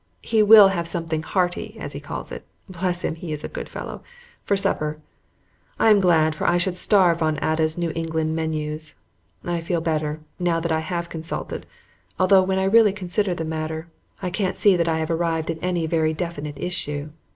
He will have something hearty, as he calls it (bless him! he is a good fellow), for supper. I am glad, for I should starve on Ada's New England menus. I feel better, now that I have consulted, although, when I really consider the matter, I can't see that I have arrived at any very definite issue.